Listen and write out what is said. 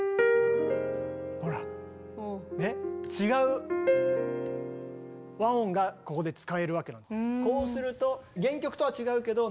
ほら違う和音がここで使えるわけなの。